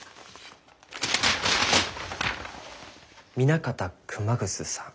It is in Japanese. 南方熊楠さん。